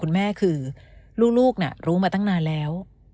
ติดเติมว่าคุณแม่คือลูกรู้มาตั้งนานแล้ว